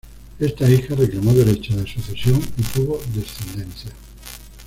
Esta hija reclamó derechos de sucesión y tuvo descendencia.